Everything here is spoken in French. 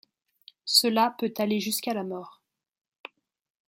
Cela peut aller jusqu'à la mort.